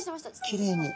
きれいに。